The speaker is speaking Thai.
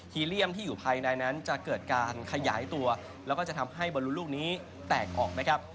เลี่ยมที่อยู่ภายในนั้นจะเกิดการขยายตัวแล้วก็จะทำให้บอลลูลูกนี้แตกออกนะครับ